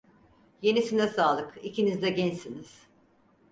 Yenisine sağlık, ikiniz de gençsiniz.